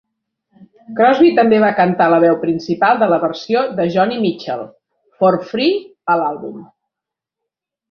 Crosby també va cantar la veu principal de la versió de Joni Mitchell, "For Free", a l'àlbum.